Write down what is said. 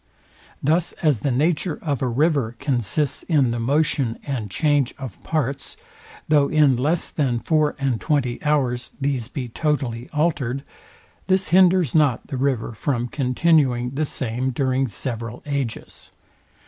Thus as the nature of a river consists in the motion and change of parts; though in less than four and twenty hours these be totally altered; this hinders not the river from continuing the same during several ages.